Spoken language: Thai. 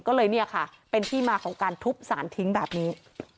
ก็เลยเนี่ยค่ะเป็นที่มาของการทุบสารทิ้งแบบนี้